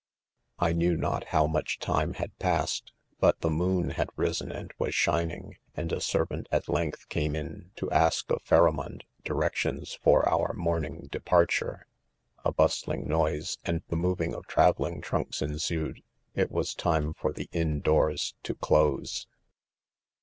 i 1 knew not bow much time had passed, but' the moon had risen and .was shining j and ,a servant, at length, came in, to ask of Phaxa mond directions for wur morning departure.— A, Bustling noise, and the. moving of travelling trunks ensued \> it was time for the inn doors to close.